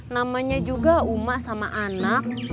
namanya juga uma sama anak